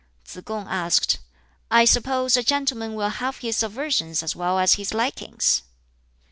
Tsz kung asked, "I suppose a gentleman will have his aversions as well as his likings?"